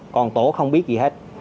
còn tổ không biết gì hết